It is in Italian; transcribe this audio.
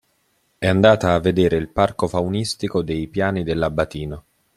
È andata a vedere il Parco Faunistico dei piani dell'Abatino.